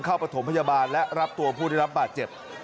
ประถมพยาบาลและรับตัวผู้ได้รับบาดเจ็บ